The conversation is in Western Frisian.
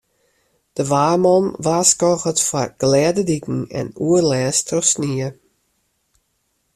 De waarman warskôget foar glêde diken en oerlêst troch snie.